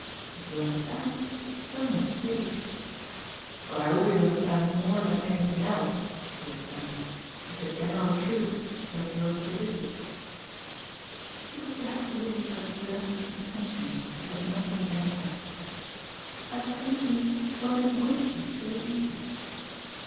If you understand, it's so much saved." "What I always understand more than anything else," he returned, "is the general truth that you're prodigious." It was perhaps a little as relapse from tension that she had nothing against that. "As for instance when it WOULD be so easy